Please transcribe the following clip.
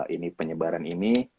ini penyebaran ini